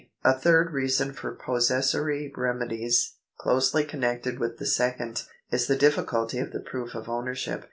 A third reason for possessory remedies, closely con nected with the second, is the difficulty of the proof of owner ship.